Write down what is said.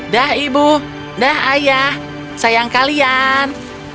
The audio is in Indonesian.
dah ibu dah ayah sayang kalian